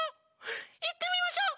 いってみましょう。